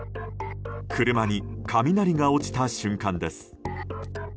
車に雷が落ちた瞬間です。